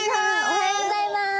おはようございます。